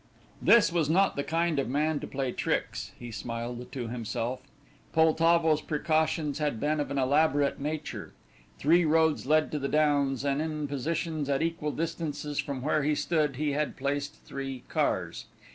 This was not the kind of man to play tricks, he smiled to himself. Poltavo's precautions had been of an elaborate nature. Three roads led to the downs, and in positions at equal distances from where he stood he had placed three cars.